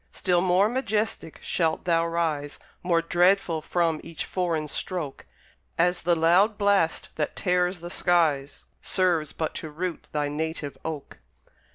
Still more majestic shalt thou rise, More dreadful from each foreign stroke; As the loud blast that tears the skies Serves but to root thy native oak.